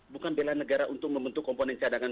bukan bela negara untuk membentuk komponen cadangan